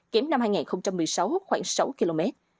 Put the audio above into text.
kém năm hai nghìn một mươi sáu khoảng sáu km